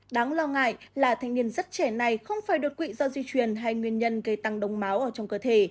đáng lo ngại là thanh niên rất trẻ này không phải đột quỵ do di truyền hay nguyên nhân gây tăng đồng máu ở trong cơ thể